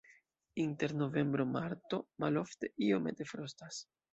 Inter novembro-marto malofte iomete frostas.